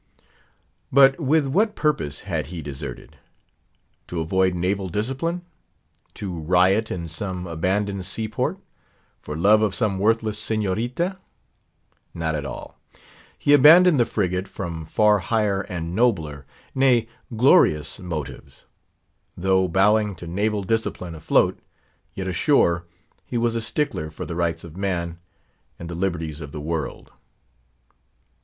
But with what purpose had he deserted? To avoid naval discipline? To riot in some abandoned sea port? for love of some worthless signorita? Not at all. He abandoned the frigate from far higher and nobler, nay, glorious motives. Though bowing to naval discipline afloat; yet ashore, he was a stickler for the Rights of Man, and the liberties of the world.